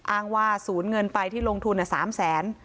อ้างว่าศูนย์เงินไปที่ลงทุนอ่ะ๓แสน